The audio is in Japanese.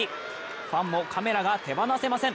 ファンもカメラが手放せません。